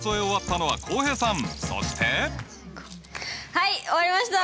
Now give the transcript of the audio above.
はい終わりました！